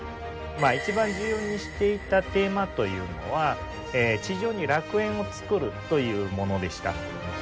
一番重要にしていたテーマというのは「地上に楽園を作る」というものでした。